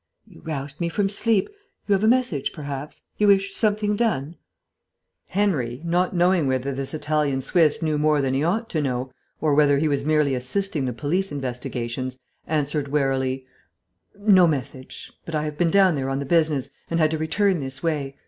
"You roused me from sleep. You have a message, perhaps? You wish something done?" Henry, not knowing whether this Italian Swiss knew more than he ought to know, or whether he was merely assisting the police investigations, answered warily, "No message. But I have been down there on the business, and had to return this way.